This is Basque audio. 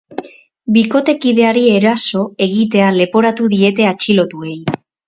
Bikotekideari eraso egitea leporatu diete atxilotuei.